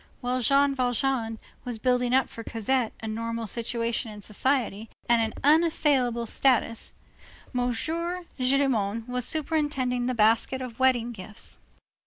While Jean Valjean was building up for Cosette a normal situation in society and an unassailable status, M. Gillenormand was superintending the basket of wedding gifts.